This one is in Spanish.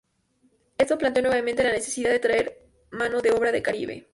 Esto planteó nuevamente la necesidad de traer mano de obra del Caribe.